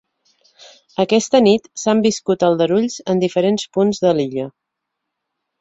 Aquesta nit s’han viscut aldarulls en diferents punts de l’illa.